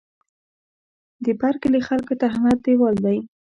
د بر کلي خلکو ته احمد دېوال دی.